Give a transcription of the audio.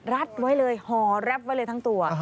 ัดไว้เลยห่อแรปไว้เลยทั้งตัว